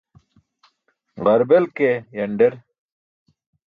Ġarbel ke yanḍar